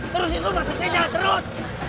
terus itu masuknya jalan terus